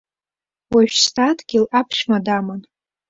Уажәшьҭа адгьыл аԥшәма даман!